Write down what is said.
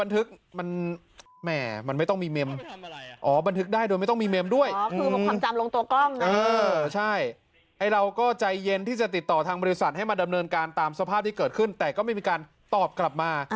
แต่ก็ไม่มีการตอบกลับมา